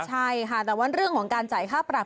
ใช่ค่ะแต่ว่าเรื่องของการจ่ายค่าปรับ